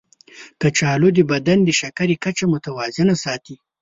کچالو د بدن د شکرې کچه متوازنه ساتي.